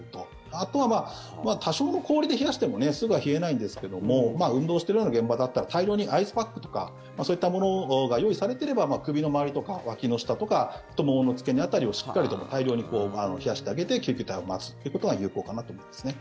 あとは多少の氷で冷やしてもすぐは冷えないんですけども運動してるような現場だったら大量にアイスパックとかそういったものが用意されてれば首の周りとか、わきの下とか太ももの付け根辺りをしっかりと大量に冷やしてあげて救急隊を待つことが有効かなと思いますね。